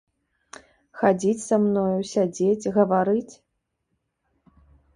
Хадзіць са мною, сядзець, гаварыць?